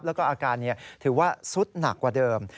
แล้วก็อาการถือว่าสุดหนักกว่าเดิม